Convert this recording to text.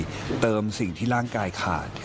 และเทรียมสิ่งที่ร่างกายขาดแล้วเจระเย็น